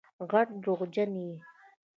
غټ دروغجن یې